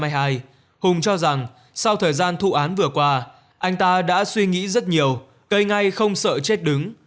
hùng cho rằng sau thời gian thụ án vừa qua anh ta đã suy nghĩ rất nhiều cây ngay không sợ chết đứng